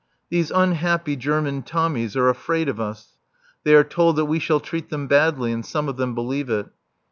These unhappy German Tommies are afraid of us. They are told that we shall treat them badly, and some of them believe it.